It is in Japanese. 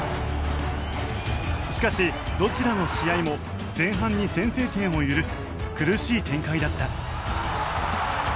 しかしどちらの試合も前半に先制点を許す苦しい展開だった。